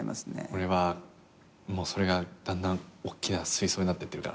俺はもうそれがだんだんおっきな水槽になってってるからね。